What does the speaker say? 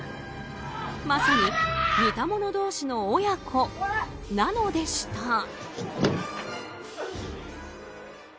まさに似た者同士の親子なのでした。